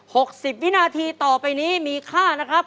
หกสิบวินาทีต่อไปนี้มีเวลาทั้งสิ้นนะครับ